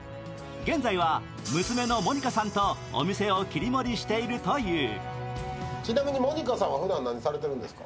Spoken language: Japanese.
現在は娘のモニカさんとお店を切り盛りしているという。